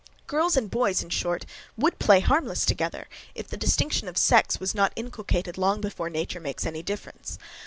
Girls and boys, in short, would play harmless together, if the distinction of sex was not inculcated long before nature makes any difference.